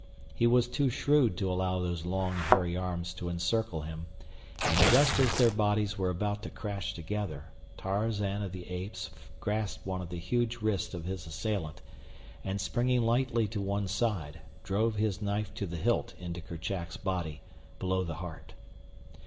He was too shrewd to allow those long hairy arms to encircle him, and just as their bodies were about to crash together, Tarzan of the Apes grasped one of the huge wrists of his assailant, and, springing lightly to one side, drove his knife to the hilt into Kerchak's body, below the heart.